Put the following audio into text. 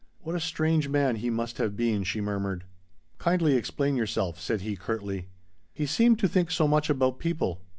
"What a strange man he must have been," she murmured. "Kindly explain yourself," said he curtly. "He seemed to think so much about people.